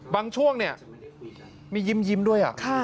บางช่วงนี่มียิ้มด้วย